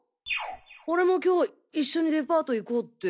俺も今日一緒にデパート行こうって。